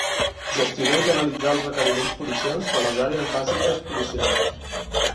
Gestionar i canalitzar els requeriments policials de les àrees bàsiques policials.